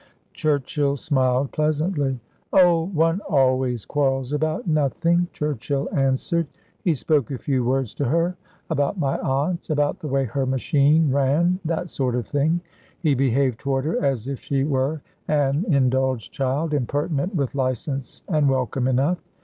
Churchill smiled pleasantly. "Oh one always quarrels about nothing," Churchill answered. He spoke a few words to her; about my aunt; about the way her machine ran that sort of thing. He behaved toward her as if she were an indulged child, impertinent with licence and welcome enough.